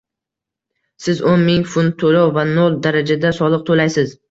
Siz o'n ming funt to‘lov va nol darajada soliq to‘laysiz.